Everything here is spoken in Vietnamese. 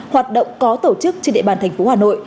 hoạt động có tổ chức trên địa bàn thành phố hà nội